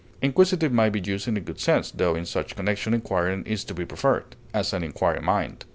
Inquisitive may be used in a good sense, tho in such connection inquiring is to be preferred; as, an inquiring mind.